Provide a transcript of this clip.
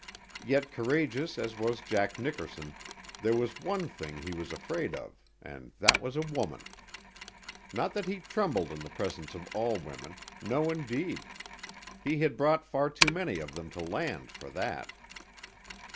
Yet courageous as was Jack Nickerson, there was one thing he was afraid of and that was a woman. Not that he trembled in the presence of all women no, indeed! He had brought far too many of them to land for that.